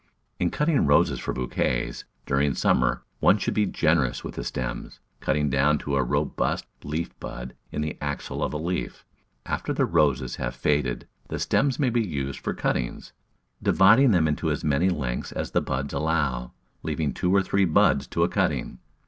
In cutting Roses for bouquets, during summer, one should be generous with stems, cutting down to a robust leaf bud in the axil of a leaf. After the Roses have faded the stems may be used for cuttings, dividing them into as many lengths as the buds allow, leaving two or three buds to a cutting.